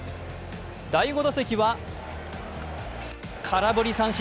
第５打席は空振り三振。